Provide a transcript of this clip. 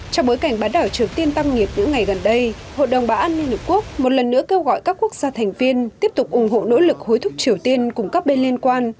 trong bối cảnh bán đảo triều tiên tăng nghiệp những ngày gần đây hội đồng bảo an liên hợp quốc một lần nữa kêu gọi các quốc gia thành viên tiếp tục ủng hộ nỗ lực hối thúc triều tiên cùng các bên liên quan